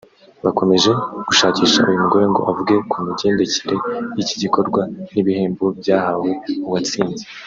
bakomeje gushakisha uyu mugore ngo avuge ku mugendekere y’iki gikorwa n’ibihembo byahawe uwatsinze